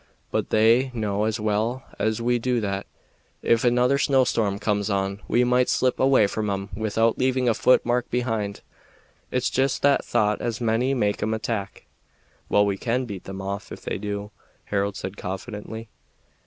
But they know as well as we do that, if another snowstorm comes on, we might slip away from 'em without leaving a foot mark behind. It's jest that thought as may make 'em attack." "Well, we can beat them off, if they do," Harold said confidently.